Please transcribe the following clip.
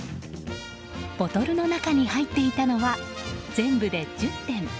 ボトルの中に入っていたのは全部で１０点。